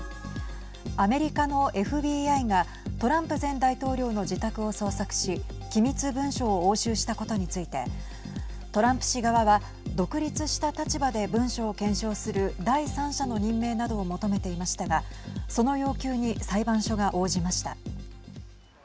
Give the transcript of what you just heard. アメリカのＦＢＩがトランプ前大統領の自宅を捜索し機密文書を押収したことについてトランプ氏側は独立した立場で文書を検証する第三者の任命などを求めていましたがその要求に裁判所が応じました。